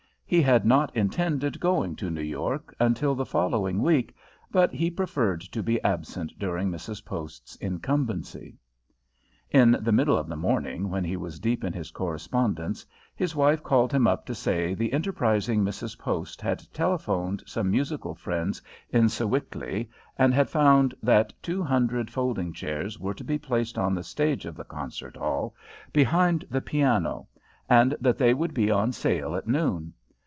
He had not intended going to New York until the following week, but he preferred to be absent during Mrs. Post's incumbency. In the middle of the morning, when he was deep in his correspondence, his wife called him up to say the enterprising Mrs. Post had telephoned some musical friends in Sewickley and had found that two hundred folding chairs were to be placed on the stage of the concert hall, behind the piano, and that they would be on sale at noon.